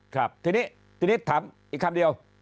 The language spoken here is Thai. ครับทีนี้ถามอีกคำเดียว